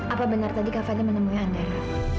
apa benar tadi kak fadil menemui andara